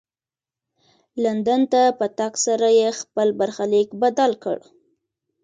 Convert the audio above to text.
لندن ته په تګ سره یې خپل برخلیک بدل کړ.